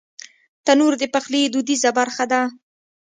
تنور د پخلي دودیزه برخه ده